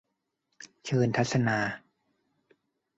เชิญทัศนา